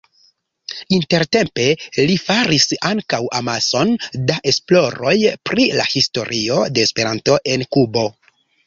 Intertempe li faris ankaŭ amason da esploroj pri la historio de Esperanto en Kubo.